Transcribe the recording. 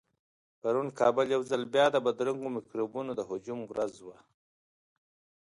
پرون کابل يو ځل بيا د بدرنګو مکروبونو د هجوم ورځ وه.